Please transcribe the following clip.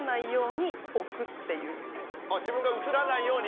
自分が映らないように？